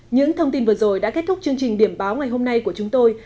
những thông tin vừa rồi đã kết thúc chương trình điểm báo ngày hôm nay của chúng tôi